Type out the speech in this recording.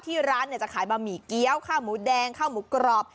ที่ร้านจะขายบะหมี่เกี้ยวข้าวหมูแดงข้าวหมูกรอบ